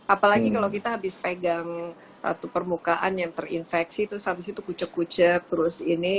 apalagi kalau kita habis pegang satu permukaan yang terinfeksi terus habis itu kucek kucek terus ini